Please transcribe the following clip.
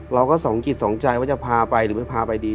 เราก็สองจิตสองใจว่าจะพาไปหรือไม่พาไปดี